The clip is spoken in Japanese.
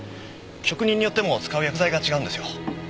職人によっても使う薬剤が違うんですよ。